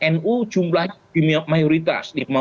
nu jumlahnya di mayoritas